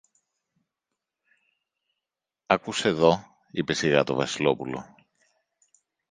Άκουσε δω, είπε σιγά το Βασιλόπουλο